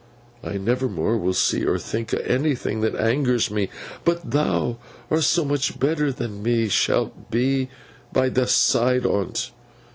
I nevermore will see or think o' anything that angers me, but thou, so much better than me, shalt be by th' side on't.